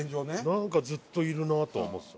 何かずっといるなと。